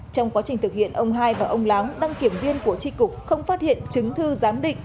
trong quá trình thực hiện ông hai và ông láng đăng kiểm viên của tri cục không phát hiện chứng thư giám định